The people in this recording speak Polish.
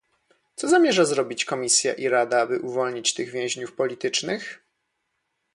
Co zamierza zrobić Komisja i Rada, by uwolnić tych więźniów politycznych?